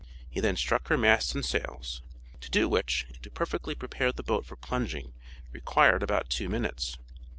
He then struck her masts and sails; to do which, and to perfectly prepare the boat for plunging, required about two minutes.